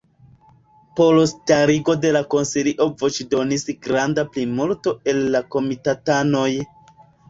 Por starigo de la konsilio voĉdonis granda plimulto el la komitatanoj.